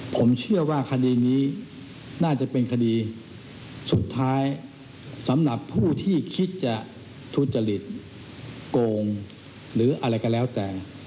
ผมเชื่อว่าคดีนี้น่าจะเป็นคดีสุดท้ายสำหรับผู้ที่คิดจะทุจริตโกงหรืออะไรก็แล้วแต่